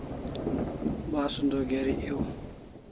Basun o geri ew